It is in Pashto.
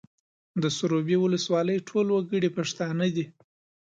د سروبي ولسوالۍ ټول وګړي پښتانه دي